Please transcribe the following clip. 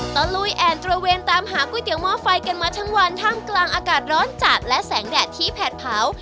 ลุยแอ่นตระเวนตามหาก๋วหม้อไฟกันมาทั้งวันท่ามกลางอากาศร้อนจัดและแสงแดดที่แผดเผา